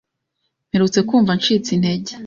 Mperutse kumva ncitse intege.